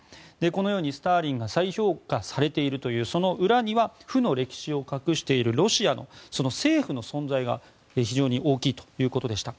このようにスターリンが再評価されているというその裏には負の歴史を隠しているロシアのその政府の存在が非常に大きいということでした。